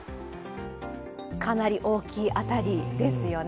かなり大きい当たりですよね。